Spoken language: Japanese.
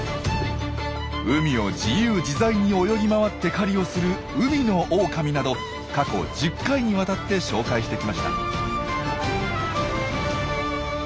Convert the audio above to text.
海を自由自在に泳ぎ回って狩りをする海のオオカミなど過去１０回にわたって紹介してきました。